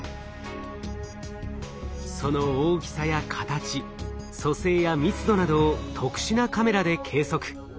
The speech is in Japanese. その大きさや形組成や密度などを特殊なカメラで計測。